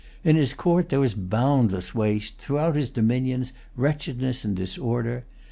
In his court there was boundless waste, throughout his dominions wretchedness and disorder.